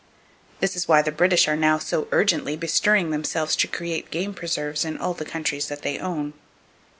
This is why the British are now so urgently bestirring themselves to create game preserves in all the countries that they own.